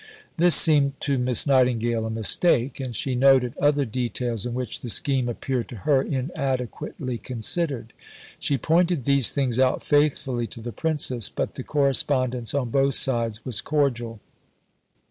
This seemed to Miss Nightingale a mistake; and she noted other details in which the scheme appeared to her inadequately considered. She pointed these things out faithfully to the Princess, but the correspondence on both sides was cordial.